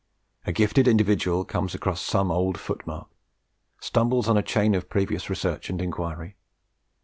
A gifted individual comes across some old footmark, stumbles on a chain of previous research and inquiry.